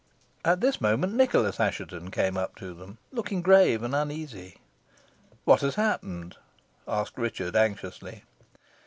At this moment Nicholas Assheton came up to them, looking grave and uneasy. "What has happened?" asked Richard, anxiously.